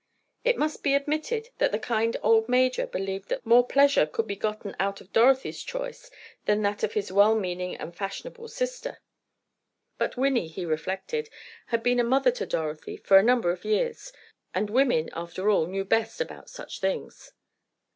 It must be admitted that the kind old major believed that more pleasure could be gotten out of Dorothy's choice than that of his well meaning, and fashionable, sister. But Winnie, he reflected, had been a mother to Dorothy for a number of years, and women, after all, knew best about such things.